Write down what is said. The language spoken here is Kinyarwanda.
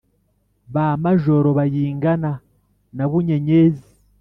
ba majoro bayingana na bunyenyezi.